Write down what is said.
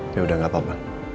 yaudah gak apa apa